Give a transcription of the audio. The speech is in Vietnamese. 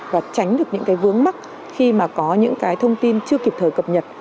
và tránh được những cái vướng mắt khi mà có những cái thông tin chưa kịp thời cập nhật